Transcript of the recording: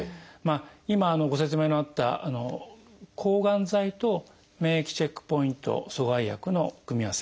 今ご説明のあった抗がん剤と免疫チェックポイント阻害薬の組み合わせ。